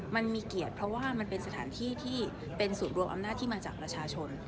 มันมีเกียรติเพราะว่ามันเป็นสถานที่ที่เป็นศูนย์รวมอำนาจที่มาจากประชาชน